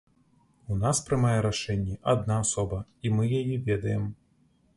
У нас прымае рашэнні адна асоба, і мы яе ведаем.